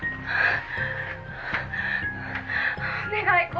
はい。